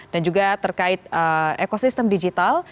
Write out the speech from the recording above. dan juga terkait ekosistem digital